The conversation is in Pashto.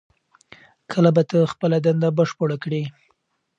کله به ته خپله دنده بشپړه کړې؟